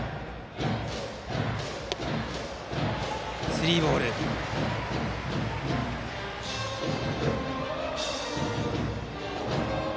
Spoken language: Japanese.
スリーボールです。